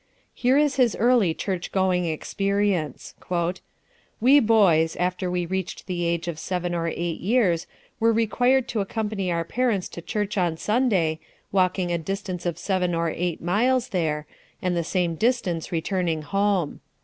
Here is his early church going experience: "We boys, after we reached the age of seven or eight years, were required to accompany our parents to church on Sunday, walking a distance of seven or eight miles there, and the same distance returning home.